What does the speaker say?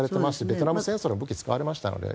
ベトナム戦争でも武器使われましたので。